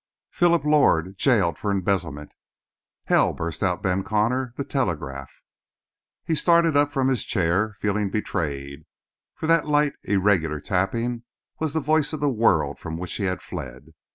"Philip Lord, jailed for embezzlement." "Hell!" burst out Ben Connor. "The telegraph!" He started up from his chair, feeling betrayed, for that light, irregular tapping was the voice of the world from which he had fled.